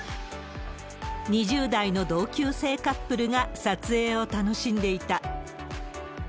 ２０代の同級生カップルが撮影を楽しんでいた。